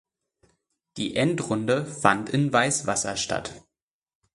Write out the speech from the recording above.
Die Endrunde fand in Weißwasser statt.